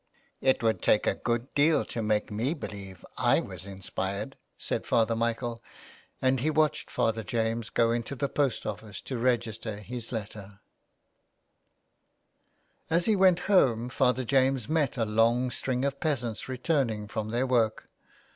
" It would take a good deal to make me believe I was inspired," said Father Michael, and he watched Father James go into the post office to register his letter. i86 A LETTER TO ROME. As he went home Father James met a long string of peasants returning from their work.